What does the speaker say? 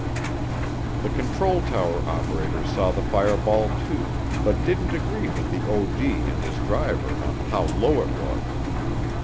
The control tower operators saw the fireball too, but didn't agree with the OD and his driver on how low it was.